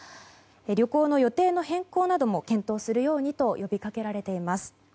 旅行の予定の変更なども検討するようにと呼びかけられています。